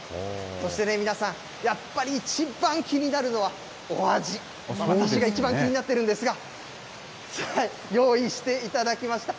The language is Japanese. そして皆さん、やっぱり一番気になるのはお味、私が一番気になっているんですが、用意していただきました。